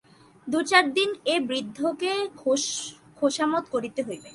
দু-চার দিন এ বৃদ্ধকে খোশামোদ করিতে হইবে।